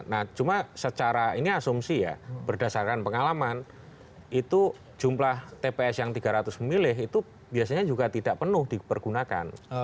nah cuma secara ini asumsi ya berdasarkan pengalaman itu jumlah tps yang tiga ratus memilih itu biasanya juga tidak penuh dipergunakan